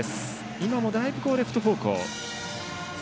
今もだいぶレフト方向です。